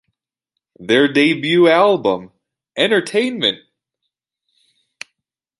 Their debut album, Entertainment!